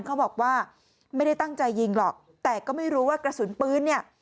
เขาบอกว่าไม่ได้ตั้งใจยิงหรอกแต่ก็ไม่รู้ว่ากระสุนปืนเนี่ย